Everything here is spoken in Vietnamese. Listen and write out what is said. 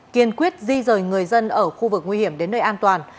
kiên quyết di rời người dân ở khu vực nguy hiểm đến nơi an toàn